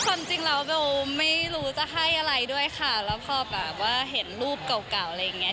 ความจริงแล้วเบลไม่รู้จะให้อะไรด้วยค่ะแล้วพอแบบว่าเห็นรูปเก่าอะไรอย่างเงี้